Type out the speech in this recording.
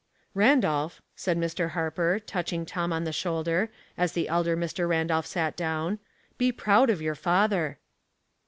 " Randolph," said Mr. Harper, touching Tom on the shoulder, as the elder Mr. Randolph sat down, " be proud of your father."